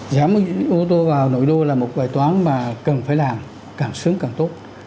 giảm ô tô vào nội đô là một bài toán mà cần phải làm càng sớm càng tốt